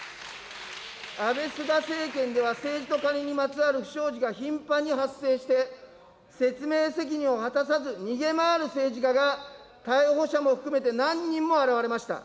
安倍・菅政権では、政治とカネにまつわる不祥事が頻繁に発生して、説明責任を果たさず逃げ回る政治家が、逮捕者も含めて何人も現れました。